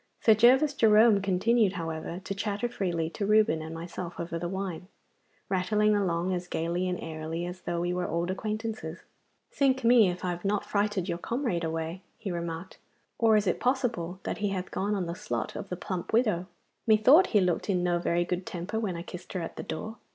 Sir Gervas Jerome continued, however, to chatter freely to Reuben and myself over the wine, rattling along as gaily and airily as though we were old acquaintances. 'Sink me, if I have not frighted your comrade away!' he remarked, 'Or is it possible that he hath gone on the slot of the plump widow? Methought he looked in no very good temper when I kissed her at the door.